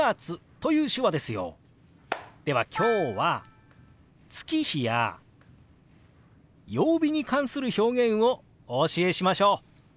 では今日は月日や曜日に関する表現をお教えしましょう！